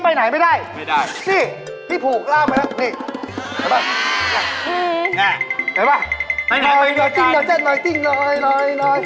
ผูไปเดินตามจ้อยเลย